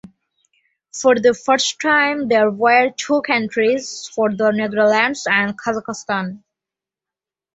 For the first time there were two entries for the Netherlands and Kazakhstan.